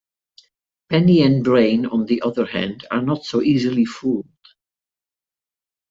Penny and Brain, on the other hand, are not so easily fooled.